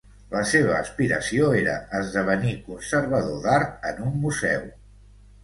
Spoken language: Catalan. La seva aspiració era esdevenir conservador d'art en un museu.